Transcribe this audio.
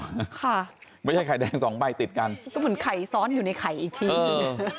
ค่ะไม่ใช่ไข่แดงสองใบติดกันก็เหมือนไข่ซ้อนอยู่ในไข่อีกทีหนึ่ง